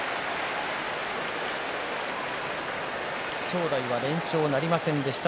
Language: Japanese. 正代は、連勝はなりませんでした。